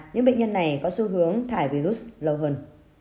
những bệnh nhân này có xu hướng thải virus lâu hơn